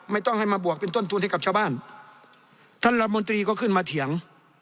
ไม่ต้องให้มาบวกเป็นต้นทุนให้กับชาวบ้านท่านละมนตรีก็ขึ้นมาเถียง